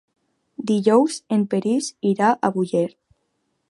Dijous en Peris irà a Búger.